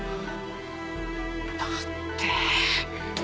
だって。